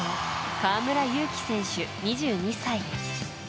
河村勇輝選手、２２歳。